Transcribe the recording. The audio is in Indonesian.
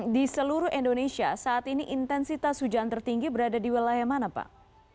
di seluruh indonesia saat ini intensitas hujan tertinggi berada di wilayah mana pak